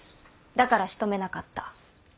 だから仕留めなかった。